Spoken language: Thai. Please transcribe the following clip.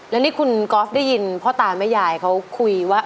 แล้วนี่คุณก๊อฟได้ยินพ่อตาแม่ยายเขาคุยว่า